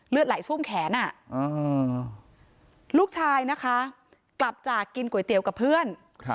เลือดไหลทุ่มแขนลูกชายกลับจากกินก๋วยเตี๋ยวกับเพื่อน